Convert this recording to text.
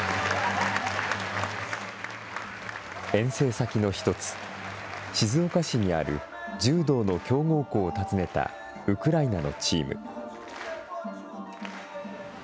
遠征先の１つ、静岡市にある柔道の強豪校を訪ねたウクライナのチーム。